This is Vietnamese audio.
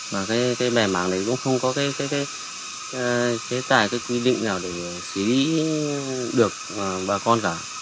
mà cái bẻ mảng đấy cũng không có cái tài quy định nào để xử lý được bà con cả